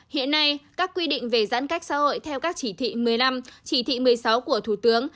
hiện nay các quy định về giãn cách xã hội theo các chỉ thị một mươi năm chỉ thị một mươi sáu của thủ tướng